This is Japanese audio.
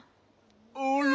あら。